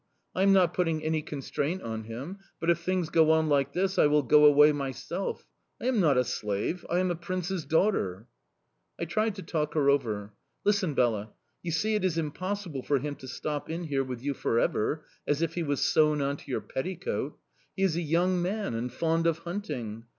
I am not putting any constraint on him. But, if things go on like this, I will go away myself I am not a slave, I am a prince's daughter!'... "I tried to talk her over. "'Listen, Bela. You see it is impossible for him to stop in here with you for ever, as if he was sewn on to your petticoat. He is a young man and fond of hunting.